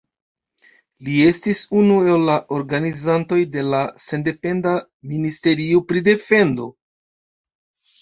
Li estis unu el la organizantoj de la sendependa ministerio pri defendo.